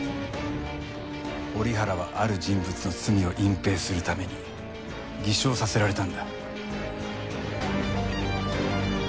折原はある人物の罪を隠蔽するために偽証させられたんだ。